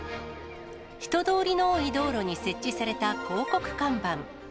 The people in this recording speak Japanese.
人通りの多い道路に設置された広告看板。